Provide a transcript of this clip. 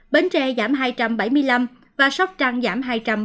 bến tre giảm hai trăm bảy mươi năm và sóc trăng giảm hai trăm bốn mươi năm